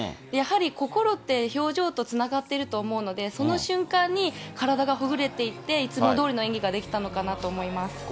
やはり心って表情とつながっていると思うので、その瞬間に体がほぐれていって、いつもどおりの演技ができたのかなと思います。